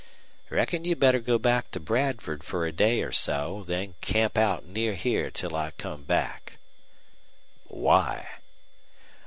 Reckon you'd better go back to Bradford fer a day or so, then camp out near here till I come back." "Why?"